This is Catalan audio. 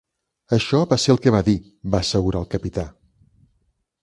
Això va ser el que va dir, va assegurar el capità.